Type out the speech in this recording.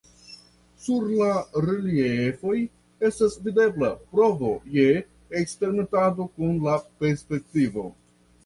Sur la reliefoj estas videbla provo je eksperimentado kun la perspektivo.